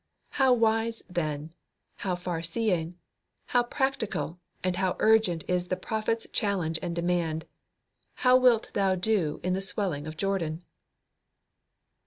How wise, then, how far seeing, how practical, and how urgent is the prophet's challenge and demand. "How wilt thou do in the swelling of Jordan?"